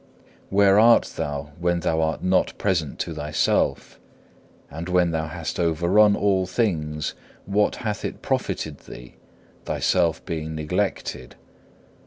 Where art thou when thou art not present to thyself? and when thou hast overrun all things, what hath it profited thee, thyself being neglected?